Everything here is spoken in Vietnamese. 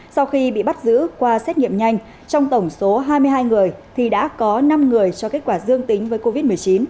sau khi bị bắt giữ qua xét nghiệm nhanh trong tổng số hai mươi hai người thì đã có năm người cho kết quả dương tính với covid một mươi chín